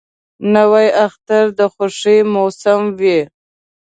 نوی اختر د خوښۍ موسم وي